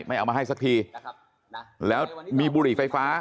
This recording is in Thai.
เอามาให้สักทีแล้วมีบุหรี่ไฟฟ้า